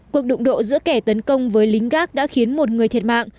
cuộc đụng độ giữa kẻ tấn công với lính gác đã khiến một người thiệt mạng